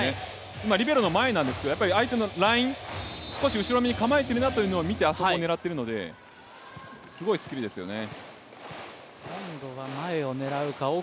今、リベロの前なんですけど相手のライン、少し後ろめに構えてるなというのを見てあそこを狙っているのですごいスキルですよね。